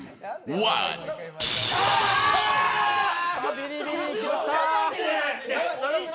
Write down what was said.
ビリビリいきましたー。